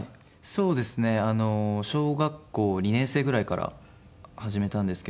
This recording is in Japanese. そうですね小学校２年生ぐらいから始めたんですけど。